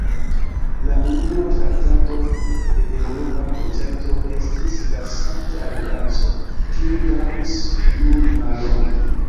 La unua traktato de Eŭropa Koncerto estis la Sankta Alianco, kiu daŭris nur mallonge.